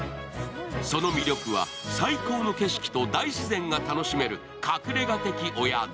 その魅力は最高の景色と大自然が楽しめる隠れ家的お宿。